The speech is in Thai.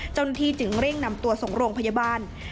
เจ้าหน้าที่จึงเร่งนำตัวส่งโรงพยาบาล